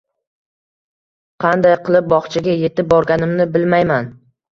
Qanday qilib bog`chaga etib borganimni bilmayman